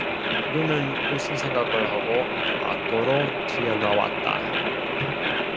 그는 무슨 생각을 하고 밖으로 튀어나왔다.